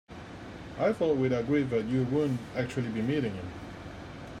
I thought we'd agreed that you wouldn't actually be meeting him?